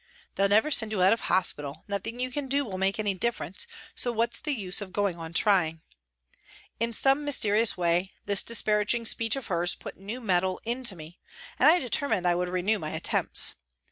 " They'll never send you out of hospital, nothing you can do will make any difference, so what's the use of going on trying ?" In some mysterious way this despairing speech of hers put new mettle into me, and I determined I would renew my attempts.